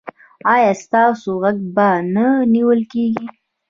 ایا ستاسو غږ به نه نیول کیږي؟